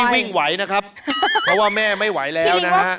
วิ่งไหวนะครับเพราะว่าแม่ไม่ไหวแล้วนะฮะ